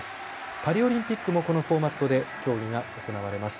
パリオリンピックもこのフォーマットで競技が行われます。